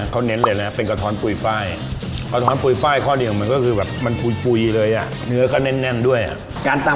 การตำกะท้อนร้านนี้นะครับ